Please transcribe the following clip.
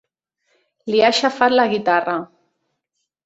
Li ha aixafat la guitarra.